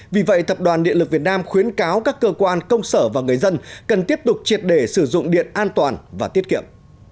vì vậy tập đoàn điện lực việt nam khuyến cáo các cơ quan công sở và người dân cần tiếp tục triệt để sử dụng điện an toàn và tiết kiệm